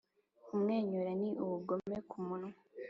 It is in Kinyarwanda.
'kumwenyura ni ubugome kumunwa